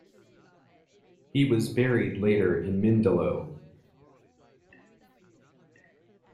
He was buried later in Mindelo.